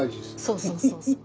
そうそうそうそう。